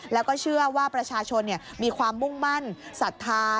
แล้วก็เชื่อว่าประชาชนมีความมุ่งมั่นศรัทธา